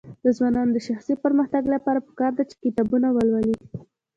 د ځوانانو د شخصي پرمختګ لپاره پکار ده چې کتابونه ولولي.